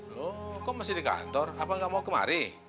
loh kok masih di kantor apa nggak mau kemari